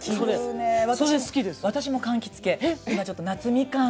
私もかんきつ系。